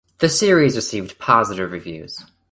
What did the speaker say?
The series received positive reviews.